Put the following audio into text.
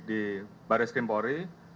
di baris krimpori